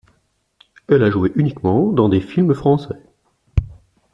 Elle a joué uniquement dans des films français.